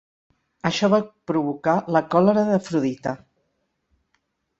Això va provocar la còlera d'Afrodita.